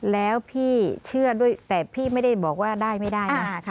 แล้วพี่เชื่อด้วยแต่พี่ไม่ได้บอกว่าได้ไม่ได้นะ